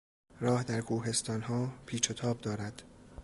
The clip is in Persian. راه در کوهستانها پیچ و تاب دارد.